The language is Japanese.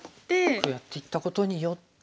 こうやっていったことによって。